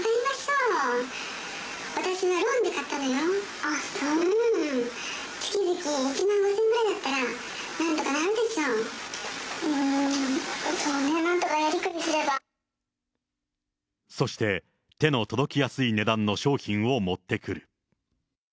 うーん、そうね、そして、手の届きやすい値段の商品を持ってくる。